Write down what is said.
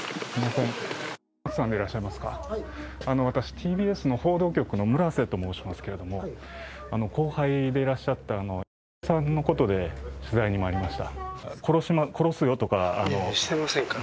私、ＴＢＳの報道局の村瀬と申しますけれども後輩でいらっしゃった○○さんのことで取材にまいりました。